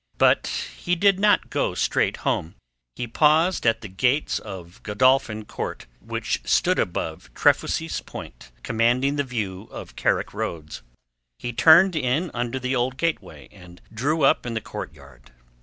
But he did not go straight home. He paused at the Gates of Godolphin Court, which stood above Trefusis Point commanding the view of Carrick Roads. He turned in under the old gateway and drew up in the courtyard.